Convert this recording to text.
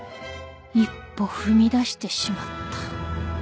一歩踏み出してしまった